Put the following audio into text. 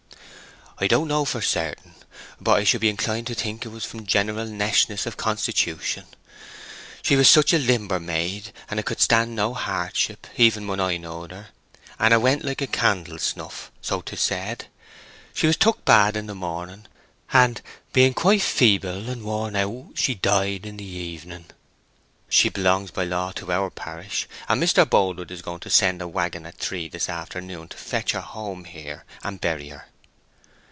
"I don't know for certain; but I should be inclined to think it was from general neshness of constitution. She was such a limber maid that 'a could stand no hardship, even when I knowed her, and 'a went like a candle snoff, so 'tis said. She was took bad in the morning, and, being quite feeble and worn out, she died in the evening. She belongs by law to our parish; and Mr. Boldwood is going to send a waggon at three this afternoon to fetch her home here and bury her."